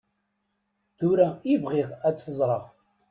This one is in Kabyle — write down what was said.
Tura i bɣiɣ ad t-ẓreɣ.